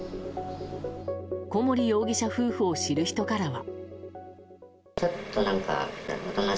小森容疑者夫婦を知る人からは。